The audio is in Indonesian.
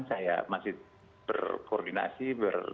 saya masih berkoordinasi bertolak